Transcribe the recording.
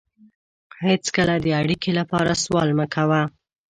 هېڅکله د اړیکې لپاره سوال مه کوه.